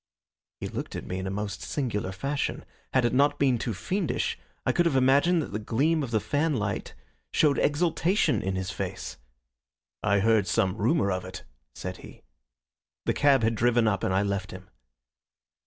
He looked at me in a most singular fashion. Had it not been too fiendish, I could have imagined that the gleam of the fanlight showed exultation in his face. "I heard some rumour of it," said he. The cab had driven up, and I left him.